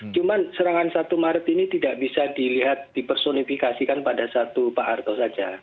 cuma serangan satu maret ini tidak bisa dilihat dipersonifikasikan pada satu pak harto saja